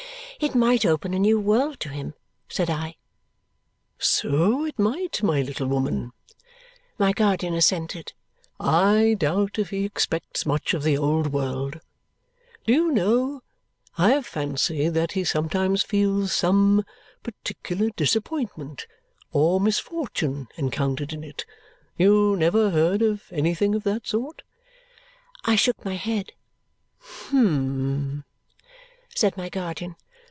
"It might open a new world to him," said I. "So it might, little woman," my guardian assented. "I doubt if he expects much of the old world. Do you know I have fancied that he sometimes feels some particular disappointment or misfortune encountered in it. You never heard of anything of that sort?" I shook my head. "Humph," said my guardian.